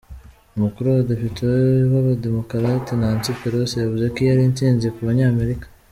Umukuru w'abedepite b'abademokarate, Nancy Pelosi, yavuze ko iyi ari intsinzi ku banyamerika.